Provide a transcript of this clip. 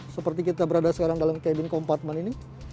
seperti kita berada sekarang dalam cabin kompartmen ini